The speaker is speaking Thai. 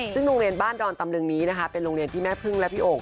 ซึ่งโรงเรียนบ้านดอนตำลึงนี้นะคะเป็นโรงเรียนที่แม่พึ่งและพี่โอ่ง